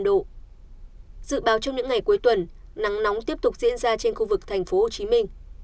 dự báo trong những ngày cuối tuần nắng nóng tiếp tục diễn ra trên khu vực thành phố hồ chí minh